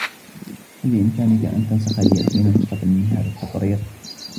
هل بإمكانك أن تنسخ لي عشرين نسخة من هذا التقرير ؟